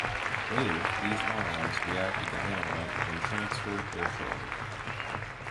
Later, these ions react with the analyte and transfer their charge.